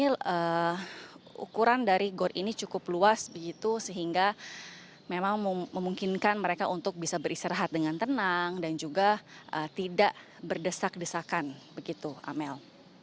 dan ukuran dari gor ini cukup luas begitu sehingga memang memungkinkan mereka untuk bisa beristirahat dengan tenang dan juga tidak berdesak desakan begitu amel